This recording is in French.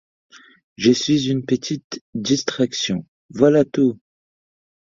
Je suis une petite distraction, voilà tout !